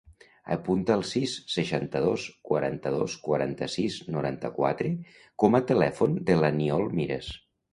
Apunta el sis, seixanta-dos, quaranta-dos, quaranta-sis, noranta-quatre com a telèfon de l'Aniol Miras.